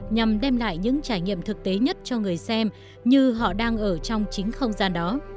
nhằm đem lại những trải nghiệm thực tế nhất cho người xem như họ đang ở trong chính không gian đó